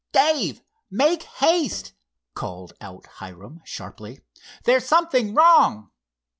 "Dave, make haste!" called out Hiram, sharply. "There's something wrong!"